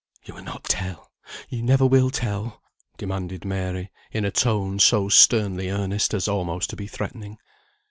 "You will not tell. You never will tell," demanded Mary, in a tone so sternly earnest, as almost to be threatening.